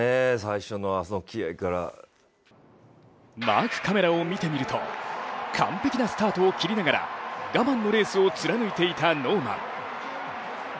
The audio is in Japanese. マークカメラを見てみると完璧なスタートを切りながら我慢のレースを貫いていたノーマン。